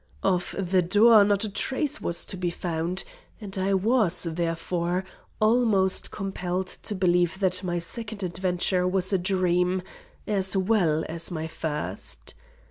Of the door not a trace was to be found, and I was, therefore, almost compelled to believe that my second adventure was a dream, as well as my first.